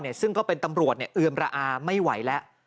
พ่อเนี่ยซึ่งก็เป็นตำรวจเนี่ยเอิมระอาไม่ไหวแล้ว